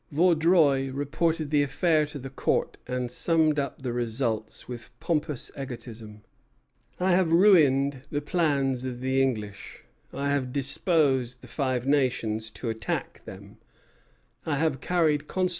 Vaudreuil reported the affair to the Court, and summed up the results with pompous egotism: "I have ruined the plans of the English; I have disposed the Five Nations to attack them; I have carried consternation and terror into all those parts."